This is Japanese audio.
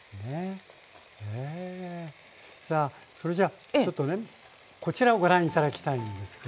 さあそれじゃあちょっとねこちらをご覧頂きたいんですけれども。